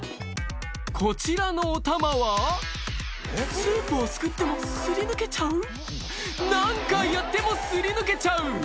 こちらのおたまはスープをすくっても擦り抜けちゃう何回やっても擦り抜けちゃう！